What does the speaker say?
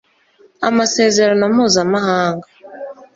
Amasezerano mpuzamahanga